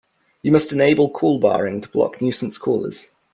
You must enable call barring to block nuisance callers.